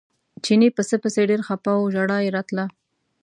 چیني پسه پسې ډېر خپه و ژړا یې راتله.